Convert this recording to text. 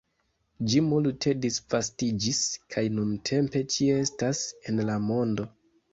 Ĝi multe disvastiĝis kaj nuntempe ĉie estas en la mondo.